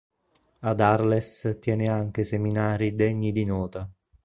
Ad Arles tiene anche seminari degni di nota.